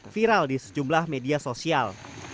viral di sejumlah media sosial